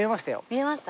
見えました？